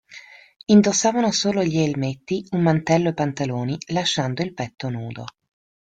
Indossavano solo gli elmetti, un mantello e pantaloni, lasciando il petto nudo.